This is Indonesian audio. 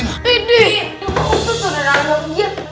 untung sudah nangis